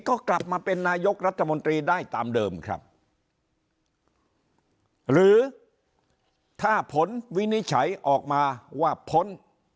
ก็กลับมาเป็นนายกรัฐมนตรีได้ตามเดิมครับหรือถ้าผลวินิจฉัยออกมาว่าพ้น